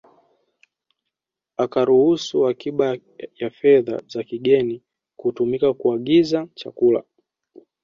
Akaruhusu akiba ya fedha za kigeni kutumika kuagiza chakula